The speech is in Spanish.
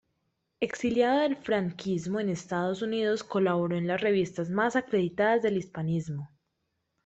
Exiliado del franquismo en Estados Unidos colaboró en las revistas más acreditadas del Hispanismo.